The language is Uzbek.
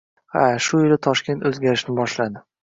— Ha, shu yili Toshkent oʻzgarishni boshladi.